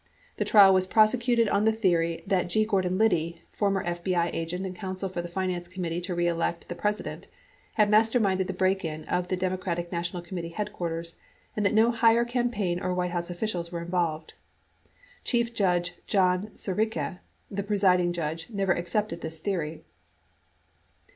The trial was prosecuted on the theory that G. Gordon Liddy, former FBI agent and counsel for the Finance Committee To Re Elect the President, 3 had masterminded the break in of the Democratic Na tional Committee headquarters and that no higher campaign or White House officials were involved. Chief Judge John Sirica, the presiding judge, never accepted this theory.